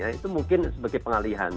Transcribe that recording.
itu mungkin sebagai pengalihan